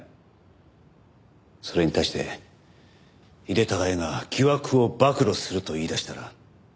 それに対して井手孝也が疑惑を暴露すると言いだしたら？